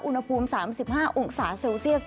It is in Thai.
อุณหภูมิ๓๕องศาเซลเซียส